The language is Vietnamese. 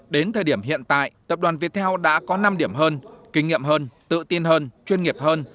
đến thời điểm hiện tại tập đoàn viettel đã có năm điểm hơn kinh nghiệm hơn tự tin hơn chuyên nghiệp hơn